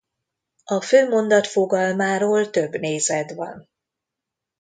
A főmondat fogalmáról több nézet van.